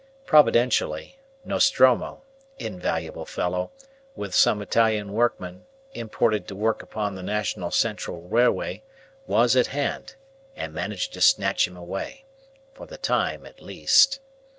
Providentially, Nostromo invaluable fellow with some Italian workmen, imported to work upon the National Central Railway, was at hand, and managed to snatch him away for the time at least.